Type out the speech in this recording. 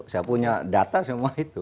saya punya data semua itu